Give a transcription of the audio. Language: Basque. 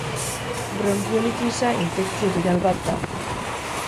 Bronkiolitisa infekzio biral bat da.